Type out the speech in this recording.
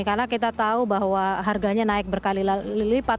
karena kita tahu bahwa harganya naik berkali lipat